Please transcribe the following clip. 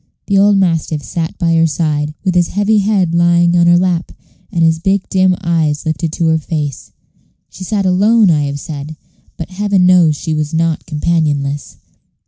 The old mastiff sat by her side, with his heavy head lying on her lap, and his big dim eyes lifted to her face. She sat alone, I have said; but Heaven knows she was not companionless.